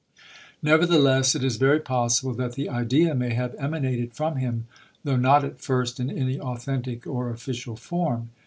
^ Nevertheless, it is very possible that the idea may have emanated from him, though not at first in any authentic or official form.